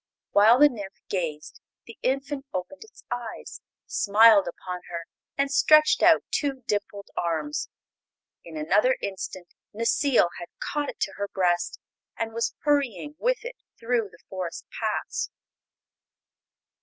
While the nymph gazed the infant opened its eyes, smiled upon her, and stretched out two dimpled arms. In another instant Necile had caught it to her breast and was hurrying with it through the forest paths.